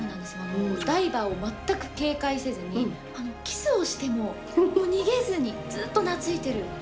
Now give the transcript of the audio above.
ダイバーを全く警戒せずにキスをしても逃げずにずーっと懐いている。